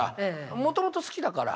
もともと好きだから。